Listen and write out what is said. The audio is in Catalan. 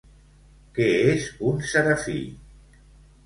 Què és un serafí?